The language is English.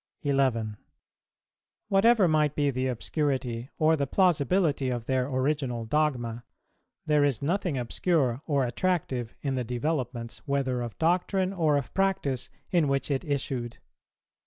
11. Whatever might be the obscurity or the plausibility of their original dogma, there is nothing obscure or attractive in the developments, whether of doctrine or of practice, in which it issued.